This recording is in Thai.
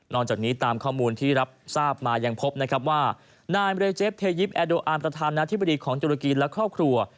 จากนี้ตามข้อมูลที่รับทราบมายังพบนะครับว่านายเรเจฟเทยิปแอโดอาร์มประธานาธิบดีของตุรกีและครอบครัว